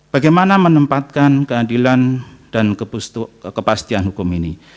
bagaimana menempatkan keadilan dan kepastian hukum ini